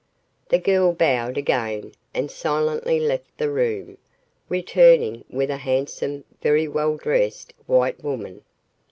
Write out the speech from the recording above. The girl bowed again and silently left the room, returning with a handsome, very well dressed white woman.